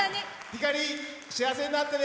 ひかり、幸せになってね！